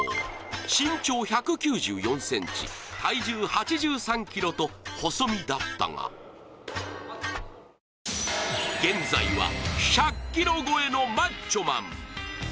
身長１９４ｃｍ、体重８３ｋｇと細身だったが現在は１００ｋｇ超えのマッチョマン。